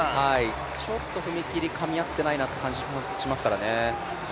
ちょっと踏切かみ合ってない感じがしますからね。